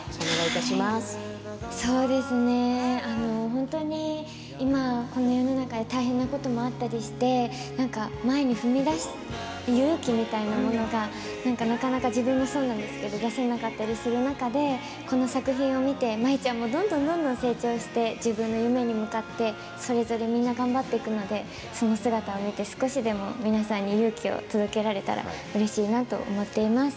本当に今、この世の中大変なこともあったりして前に踏み出す勇気みたいなものが自分もそうなんですがなかなか出せなかったりする中でこの作品を見て舞ちゃんもどんどん成長して自分の夢に向かって頑張っていくのでその姿を見て、少しでも皆さんに勇気を届けられたらうれしいと思います。。